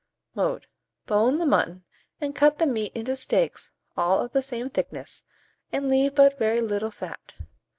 Mode. Bone the mutton, and cut the meat into steaks all of the same thickness, and leave but very little fat.